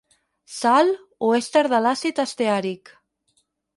Sal o èster de l'àcid esteàric.